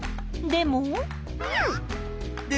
でも？